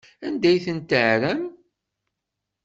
Anda ay ten-tɛerram?